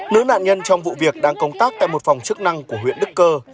nữ nạn nhân trong vụ việc đang công tác tại một phòng chức năng của huyện đức cơ